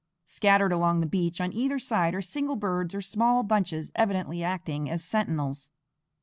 Scattered along the beach on either side are single birds or small bunches evidently acting as sentinels.